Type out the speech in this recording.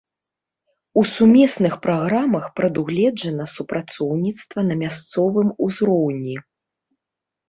У сумесных праграмах прадугледжана супрацоўніцтва на мясцовым узроўні.